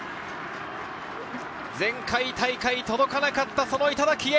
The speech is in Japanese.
前回大会届かなかったその頂へ。